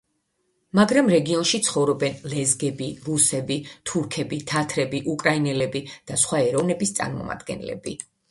მაგრამ რეგიონში ცხოვრობენ ლეზგები, რუსები, თურქები, თათრები, უკრაინელები და სხვა ეროვნების წარმომადგენლები.